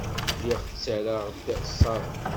Lliɣ ttarraɣ-d ṣṣerf.